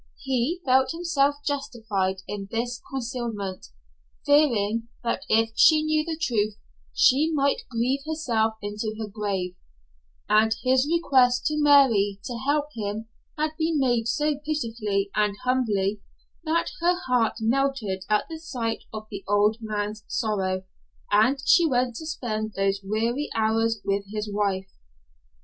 He felt himself justified in this concealment, fearing that if she knew the truth, she might grieve herself into her grave, and his request to Mary to help him had been made so pitifully and humbly that her heart melted at the sight of the old man's sorrow, and she went to spend those weary hours with his wife.